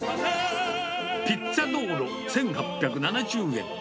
ピッツァドーロ１８７０円。